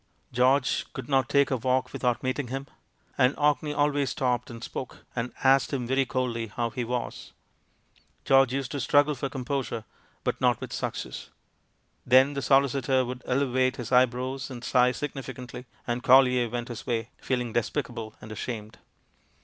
George could not take a walk without meeting him ; and Orkney always stopped and spoke, and asked him very coldly how he was. George used to struggle for composure, but not with success. Then the solicitor would ele vate his ej^ebrows and sigh significantly; and Collier went his way, feeling despicable and ashamed.